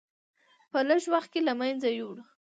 په لږ وخت کې له منځه یووړ.